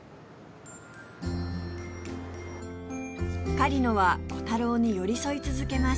狩野はコタローに寄り添い続けます